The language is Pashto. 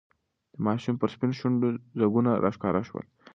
د ماشوم پر سپینو شونډو ځگونه راښکاره شول.